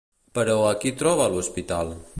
Però, a qui es troba a l'hospital?